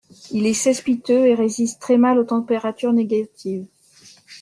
Il est cespiteux et résiste très mal aux températures négatives.